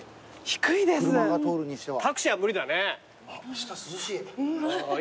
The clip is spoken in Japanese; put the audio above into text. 下涼しい。